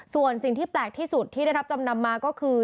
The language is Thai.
ส่วนสิ่งที่แปลกที่สุดที่ได้รับจำนำมาก็คือ